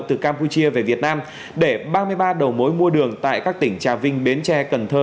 từ campuchia về việt nam để ba mươi ba đầu mối mua đường tại các tỉnh trà vinh bến tre cần thơ